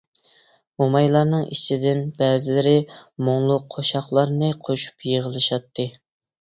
مومايلارنىڭ ئىچىدىن بەزىلىرى مۇڭلۇق قوشاقلارنى قوشۇپ يىغىلىشاتتى.